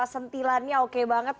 sentilannya oke banget